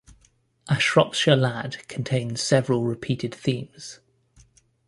"A Shropshire Lad" contains several repeated themes.